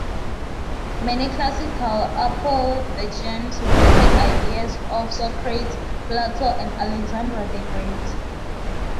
Many classical apophthegms repeated ideas of Socrates, Plato, and Alexander the Great.